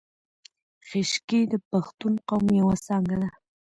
خیشکي د پښتون قوم یو څانګه ده